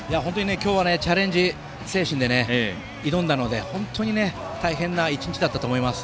今日はチャレンジ精神で挑んだので本当に大変な１日だったと思います。